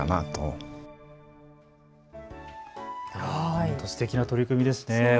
本当、すてきな取り組みですね。